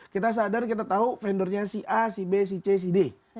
kita sadar kita tahu vendornya si a si b si c si d